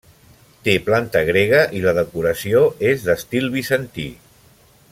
Té planta grega i la decoració és d'estil bizantí.